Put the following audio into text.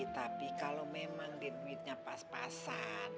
tapi kalau memang di duitnya pas pasan